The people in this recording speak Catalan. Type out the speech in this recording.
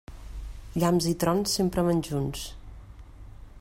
Llamps i trons sempre van junts.